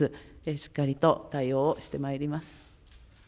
しっかりと対応をしてまいります。